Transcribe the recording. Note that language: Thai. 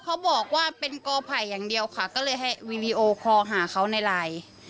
เขาบอกว่าเป็นกอไผ่อย่างเดียวค่ะก็เลยให้วีดีโอคอลหาเขาในไลน์